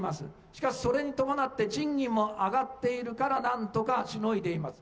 しかしそれに伴って賃金も上がっているから、なんとかしのいでいます。